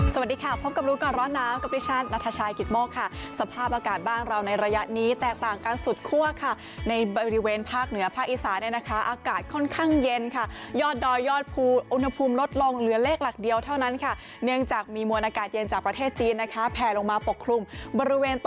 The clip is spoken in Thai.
สวัสดีค่ะพบกับรู้ก่อนร้อนหนาวกับดิฉันนัทชายกิตโมกค่ะสภาพอากาศบ้านเราในระยะนี้แตกต่างกันสุดคั่วค่ะในบริเวณภาคเหนือภาคอีสานเนี่ยนะคะอากาศค่อนข้างเย็นค่ะยอดดอยยอดภูอุณหภูมิลดลงเหลือเลขหลักเดียวเท่านั้นค่ะเนื่องจากมีมวลอากาศเย็นจากประเทศจีนนะคะแผลลงมาปกคลุมบริเวณต